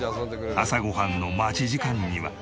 朝ご飯の待ち時間には。